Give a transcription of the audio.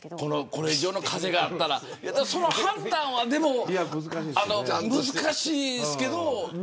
これ以上の風があったらでも、その判断は難しいですけど。